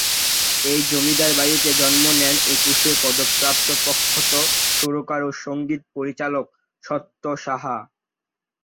এই জমিদার বাড়িতে জন্ম নেন একুশে পদকপ্রাপ্ত প্রখ্যাত সুরকার ও সঙ্গীত পরিচালক সত্য সাহা।